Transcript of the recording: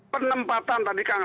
penempatan tadi kang